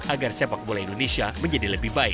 agar sepak bola indonesia menjadi lebih baik